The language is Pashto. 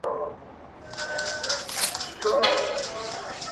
چي له بې ميني ژونده.